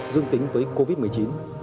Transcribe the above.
dương tính với covid một mươi chín